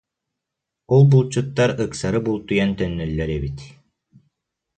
Ол булчуттар ыксары бултуйан төннөллөр эбит